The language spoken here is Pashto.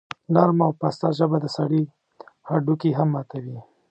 نرمه او پسته ژبه د سړي هډوکي هم ماتوي.